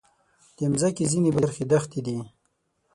د مځکې ځینې برخې دښتې دي.